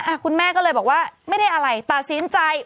คุณแม่ก็เลยบอกว่าไม่ได้อะไรตัดสินใจ